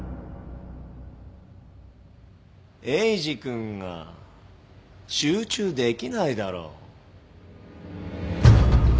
エイジ君が集中できないだろ。